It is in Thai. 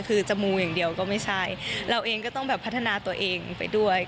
คือจะมูอย่างเดียวก็ไม่ใช่เราเองก็ต้องแบบพัฒนาตัวเองไปด้วย